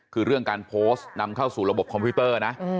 คือเรื่องการโพสต์นำเข้าสู่ระบบคอมพิวเตอร์นะ